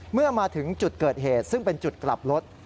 เมื่อมาถึงจุดเกิดเหตุซึ่งเป็นจุดกลับรถ